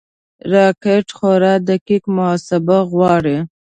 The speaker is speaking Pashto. راکټ خورا دقیق محاسبه غواړي